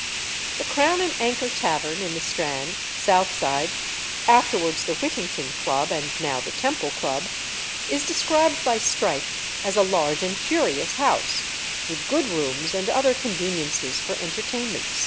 The Crown and Anchor Tavern in the Strand (south side), afterwards the Whittington Club, and now the Temple Club, is described by Strype as a "large and curious house," with good rooms and other conveniences for entertainments.